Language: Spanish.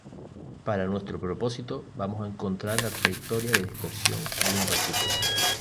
Para nuestro propósito, vamos a encontrar la trayectoria de dispersión de una partícula.